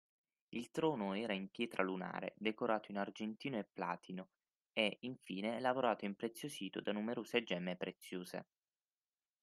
Il trono era in pietra lunare, decorato in argentino e platino e, infine, lavorato e impreziosito da numerose gemme preziose